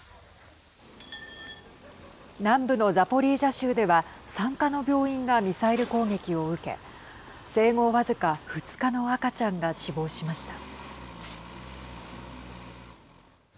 南部のザポリージャ州では産科の病院がミサイル攻撃を受け生後僅か２日の赤ちゃんが死亡しました。